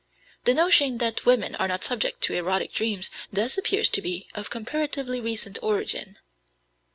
The notion that women are not subject to erotic dreams thus appears to be of comparatively recent origin.